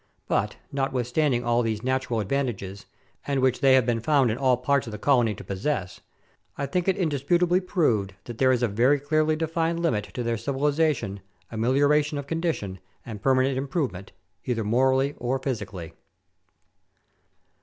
But, notwithstanding all these natural advantages, and which they have been found in all parts of the colony to possess, I think it indisputably proved that there is a very clearly defined limit to 270 Letters from Victorian Pioneers. their civilization, amelioration of condition, and permanent improvement, either morally or physically.